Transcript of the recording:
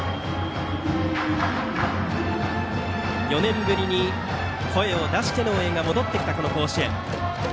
４年ぶりに声を出しての応援が戻ってきた、この甲子園。